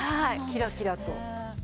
キラキラと。